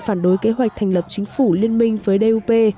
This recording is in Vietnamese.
phản đối kế hoạch thành lập chính phủ liên minh với dap